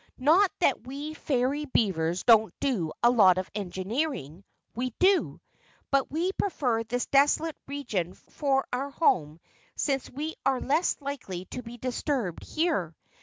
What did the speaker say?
Not that we fairy beavers don't do a lot of engineering we do. But we prefer this desolate region for our home since we are less likely to be disturbed here.